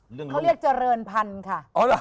เขาเรียกเจริญพันธุ์ค่ะ